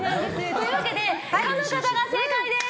というわけで可の方が正解です！